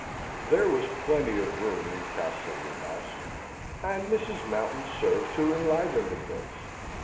There was plenty of room in Castlewood House, and Mrs. Mountain served to enliven the place.